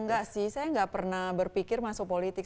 enggak sih saya nggak pernah berpikir masuk politik